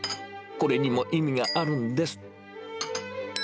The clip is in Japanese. これにも意味があるんです。